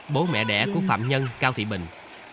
bố mẹ đẻ của phạm nhân cao thị bình